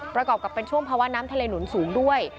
ประกอบกับเป็นช่วงภาวะน้ำทะเลหนุนสูงด้วย